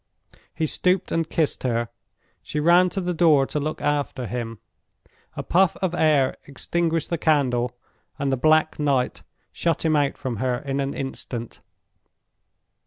He stooped and kissed her. She ran to the door to look after him. A puff of air extinguished the candle, and the black night shut him out from her in an instant.